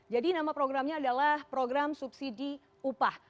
nama programnya adalah program subsidi upah